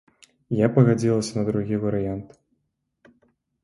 Я пагадзілася на другі варыянт.